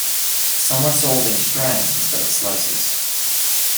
Some are sold in strands instead of slices.